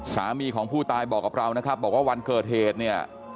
สามีของผู้ตายบอกกับเรานะครับบอกว่าวันเกิดเหตุเนี่ย